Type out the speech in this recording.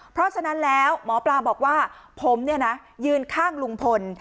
เพราะฉะนั้นแล้วหมอปลาบอกว่าผมยืนข้างลุงพล